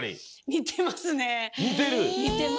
にてますね。